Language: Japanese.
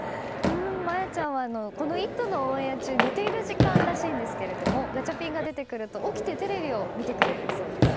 茉弥ちゃんはこの「イット！」のオンエア中寝ている時間らしいんですがガチャピンが出てくると起きてテレビを見てくれるそうですよ。